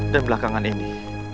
dan belakangan ini